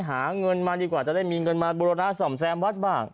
หาเงินมาดีกว่าจะได้มีเงินมาบุรณะส่อมแซมวัดบ้าง